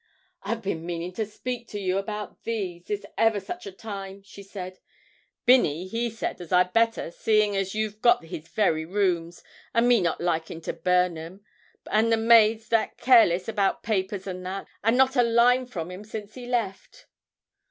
'I've been meanin' to speak to you about these, this ever such a time,' she said. 'Binney, he said as I'd better, seeing as you've got his very rooms, and me not liking to burn 'em, and the maids that careless about papers and that, and not a line from him since he left.'